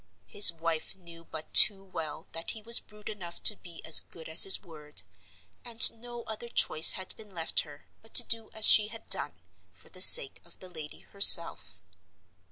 His wife knew but too well that he was brute enough to be as good as his word; and no other choice had been left her but to do as she had done, for the sake of the lady herself.